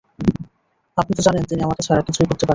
আপনি তো জানেন তিনি আমাকে ছাড়া কিছুই করতে পারে না।